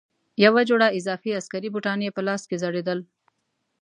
یوه جوړه اضافي عسکري بوټان یې په لاس کې ځړېدل.